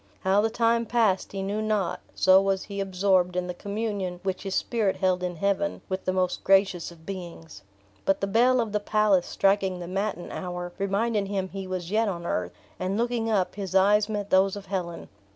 How the time passed he knew not, so was he absorbed in the communion which his spirit held in heaven with the most gracious of beings. But the bell of the palace striking the matin hour, reminded him he was yet on earth; and looking up his eyes met those of Helen.